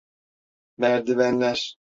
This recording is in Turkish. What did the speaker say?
Merdivenler…